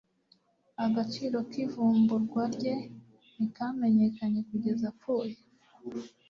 agaciro k'ivumburwa rye ntikamenyekanye kugeza apfuye